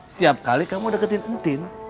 setiap kali kamu deketin entin